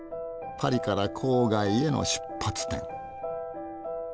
パリから郊外への出発点。